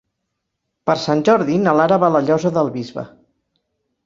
Per Sant Jordi na Lara va a la Llosa del Bisbe.